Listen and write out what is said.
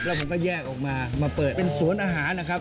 แล้วผมก็แยกออกมามาเปิดเป็นสวนอาหารนะครับ